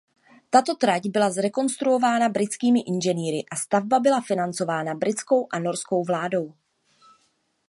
Tato trať byla zkonstruována britskými inženýry a stavba byla financována britskou a norskou vládou.